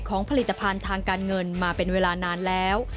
ผลิตภัณฑ์ทางการเงินมาเป็นเวลานานแล้ว